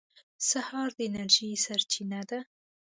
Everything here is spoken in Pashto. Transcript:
سهار د انرژۍ سرچینه ده.